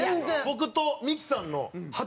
僕とミキさんの初舞台。